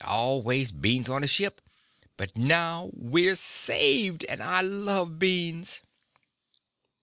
Always beans on a ship. But now we're saved, and I love beans!"